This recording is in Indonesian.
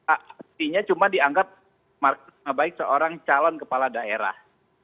artinya cuma dianggap nama baik seorang calon kepala daerah